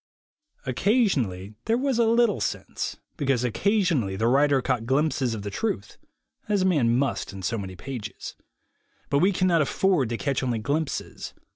Occa sionally there was a little sense, because occasionally the writer caught glimpses of the truth, as a man must in so many pages. But we cannot afford to catch only glimpses.